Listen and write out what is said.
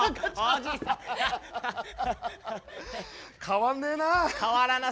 変わんねえな。